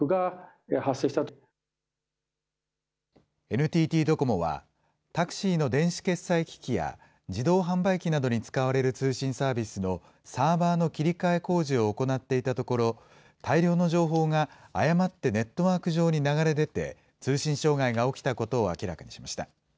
ＮＴＴドコモは、タクシーの電子決済機器や、自動販売機などに使われる通信サービスのサーバーの切り替え工事を行っていたところ、大量の情報が誤ってネットワーク上に流れ出て、通信障害が起きたことを明らかにしました。